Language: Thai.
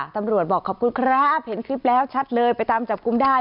ตำรวจบอกขอบคุณครับเห็นคลิปแล้วชัดเลยไปตามจับกลุ่มได้